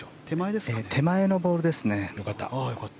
手前のボールですね。